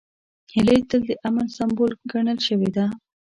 هیلۍ تل د امن سمبول ګڼل شوې ده